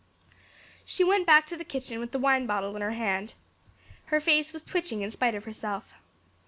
She went back to the kitchen with the wine bottle in her hand. Her face was twitching in spite of herself.